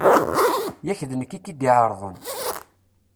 Yak d nekk i k-id-ɛerḍen.